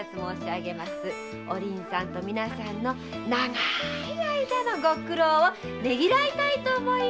おりんさんと皆さんの長い間のご苦労をねぎらいたく思います。